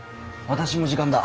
私も時間だ。